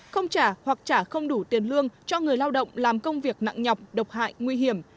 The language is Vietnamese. không trả hoặc trả không đủ tiền lương cho người lao động làm công việc nặng nhọc độc hại nguy hiểm